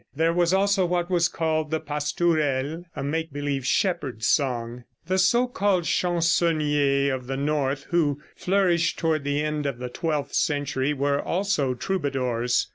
There was also what was called the pastourelle, a make believe shepherd's song. The so called chansonniers of the north, who flourished toward the end of the twelfth century, were also troubadours.